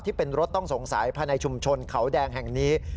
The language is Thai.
ที่เป็นรถต้องสงสัยภายในชุมชนเขาแดงแห่งนี้